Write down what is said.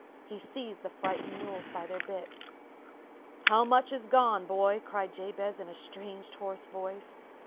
He seized the frightened mules by their bits. "How much has gone, boy?" cried Jabez, in a strained, hoarse voice.